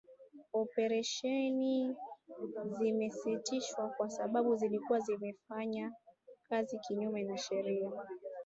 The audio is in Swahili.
Operesheni zimesitishwa kwa sababu zilikuwa zikifanya kazi kinyume cha sheria